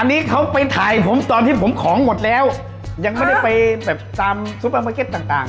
อันนี้เขาไปถ่ายผมตอนที่ผมของหมดแล้วยังไม่ได้ไปแบบตามซุปเปอร์มาร์เก็ตต่างต่าง